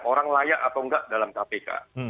orang layak atau enggak dalam kpk